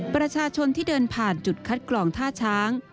ประชาชนที่เดินผ่านจุดคัดกรองท่าช้าง